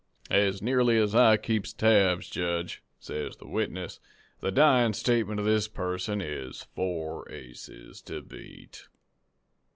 "'As nearly as I keeps tabs, jedge,' says the witness, 'the dyin' statement of this person is: "Four aces to beat."